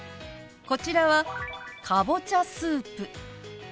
こちらは「かぼちゃスープ」。